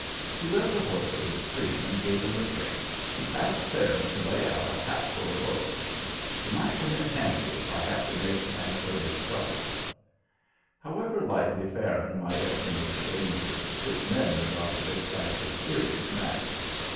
He led the horse to the stream and gave him a drink, and asked Farron to lay out a hatful of oats. "They might come in handy if I have to make an early start." However lightly Farron might estimate the danger, his men regarded it as a serious matter.